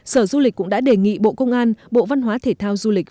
sở du lịch cũng đã đề nghị bộ công an bộ văn hóa thể thao du lịch